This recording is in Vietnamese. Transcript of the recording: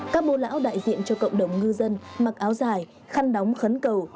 các mô lão đại diện cho cộng đồng ngư dân mặc áo dài khăn đóng khấn cầu